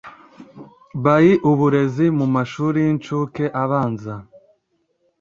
by uburezi mu mashuri y inshuke abanza